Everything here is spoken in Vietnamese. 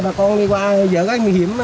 bà con đi qua giữa các nguy hiểm